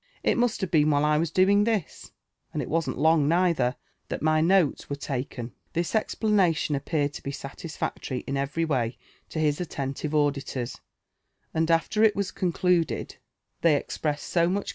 It must have been while I was doing this, and it wasn'l long neither, tliat mv notes were taken." This explanation appeared (o be satisfactory in every way to his at tentive auditors ; and after it was concluded, they expressed so much JONATHAN JEFFERSON WHITLAW.